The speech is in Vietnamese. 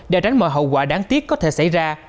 để tránh mọi hậu quả đáng tiếc có thể xảy ra